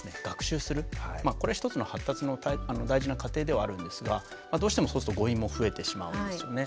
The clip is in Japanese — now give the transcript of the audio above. これは一つの発達の大事な過程ではあるんですがどうしてもそうすると誤飲も増えてしまうんですよね。